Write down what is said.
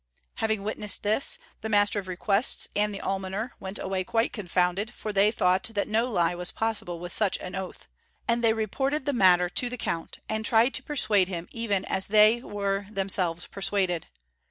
Having witnessed this, the Master of Requests and the Almoner went away quite confounded, for they thought that no lie was possible with such an oath. And they reported the matter to the Count, and tried to persuade him even as they were themselves persuaded.